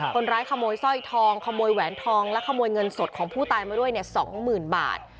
คนร้ายขโมยสร้อยทองขโมยแหวนทองและขโมยเงินสดของผู้ตายมาด้วยเนี่ย๒๐๐๐บาท